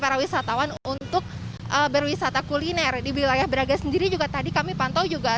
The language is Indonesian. para wisatawan untuk berwisata kuliner di wilayah braga sendiri juga tadi kami pantau juga